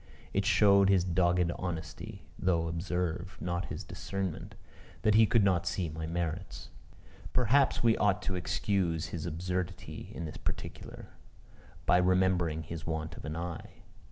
It showed his dogged honesty, (though, observe, not his discernment,) that he could not see my merits. Perhaps we ought to excuse his absurdity in this particular by remembering his want of an eye.